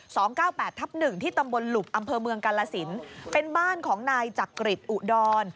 สองเก้าแปดทับหนึ่งที่ตำบลหลุบอำเภอเมืองกาลสินเป็นบ้านของนายจักริตอุดร